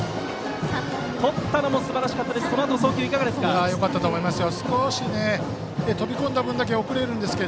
とったのもすばらしかったですがそのあとの送球はいかがですか？